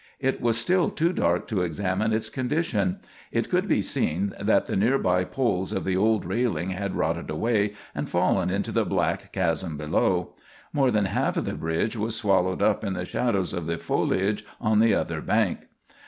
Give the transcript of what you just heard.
It was still too dark to examine its condition. It could be seen that the near by poles of the old railing had rotted away and fallen into the black chasm below. More than half of the bridge was swallowed up in the shadows of the foliage on the other bank.